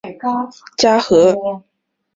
厦门岛原称嘉禾屿。